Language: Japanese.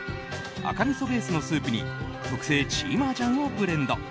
赤みそベースのスープに特製チーマージャンをブレンド。